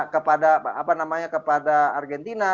kepada apa namanya kepada argentina